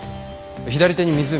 左手に湖。